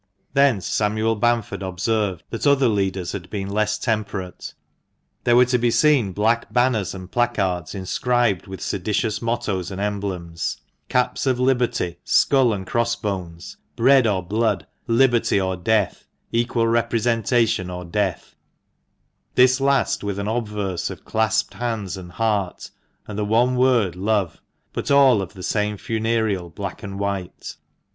Thence Samuel Bamford observed that other leaders had been less temperate. There were to be seen black banners and placards inscribed with seditious mottoes and emblems: caps of liberty, skull and crossbones " Bread or Blood," " Liberty or Death," " Equal Representation or Death ;" this last with an obverse of clasped hands and heart, and the one word "Love," but all of the same funereal black and white.